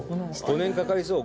５年かかりそう？